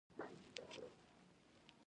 دغه ریاست او فوځ په سویلي وزیرستان.